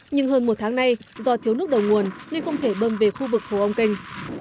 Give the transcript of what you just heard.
nhưng hơn một tháng nay do thiếu nước đầu nguồn nên không thể bơm về khu vực hồ ông kinh